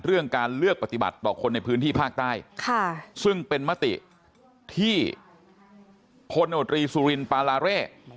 เรื่องการเลือกปฏิบัติต่อคนในพื้นที่ภาคใต้ซึ่งเป็นมติที่พลโนตรีสุรินปาลาเร่